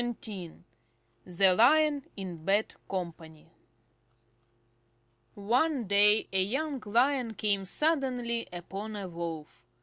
XVII THE LION IN BAD COMPANY One day a young Lion came suddenly upon a Wolf.